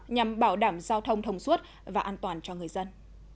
nhằm bảo đảm giao thông thông suốt và an toàn cho người dân